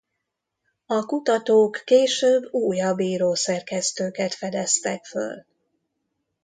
A kutatók később újabb író-szerkesztőket fedeztek föl.